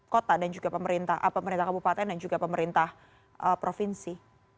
kota dan juga pemerintah kabupaten dan juga pemerintah provinsi